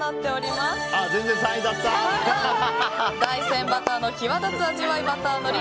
３位が大山バターの際立つ味わいバター海苔。